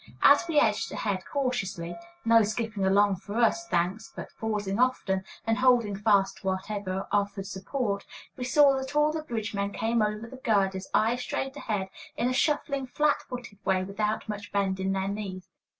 As we edged ahead cautiously (no skipping along for us, thanks, but pausing often, and holding fast to whatever offered support), we saw that all the bridge men come over the girders, eyes straight ahead, in a shuffling, flat footed way, without much bend in the knees.